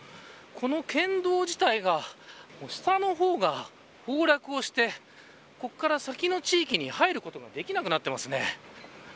この県道自体が下の方が崩落してここから先の地域に入ることができなくなっていますね。